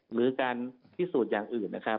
หรือการพิสูจน์อย่างอื่นนะครับ